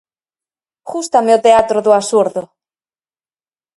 Gústame o teatro do absurdo.